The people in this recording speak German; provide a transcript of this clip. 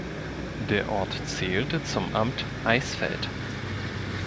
Der Ort zählte zum Amt Eisfeld.